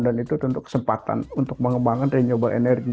dan itu tentu kesempatan untuk pengembangan renewable energy